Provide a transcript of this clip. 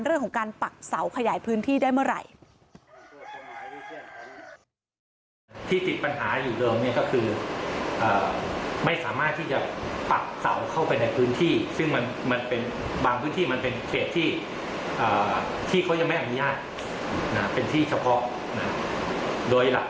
เรื่องของการปักเสาขยายพื้นที่ได้เมื่อไหร่